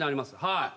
はい。